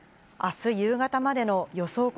あす夕方までの予想